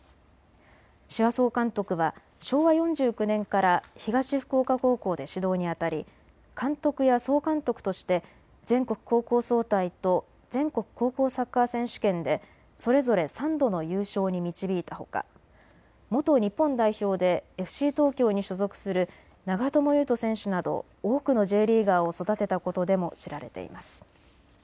志波総監督は昭和４９年から東福岡高校で指導にあたり監督や総監督として全国高校総体と全国高校サッカー選手権でそれぞれ３度の優勝に導いたほか元日本代表でＦＣ東京に所属する長友佑都選手など多くのＪリーガーを育てたことでも知られています。